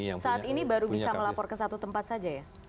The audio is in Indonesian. yang saat ini baru bisa melapor ke satu tempat saja ya